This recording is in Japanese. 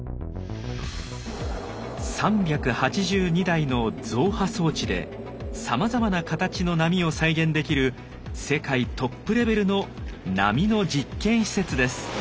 ３８２台の造波装置でさまざまな形の波を再現できる世界トップレベルの波の実験施設です。